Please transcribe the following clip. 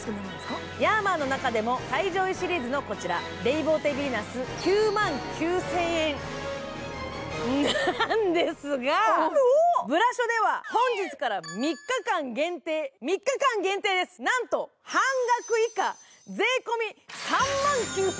ヤーマンの中でも最上位シリーズのこちら、レイボーテヴィーナス、９万９０００円なんですが、ブラショでは本日から３日間限定です、なんと半額以下。